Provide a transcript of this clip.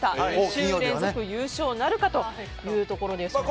２週連続優勝なるかということですが。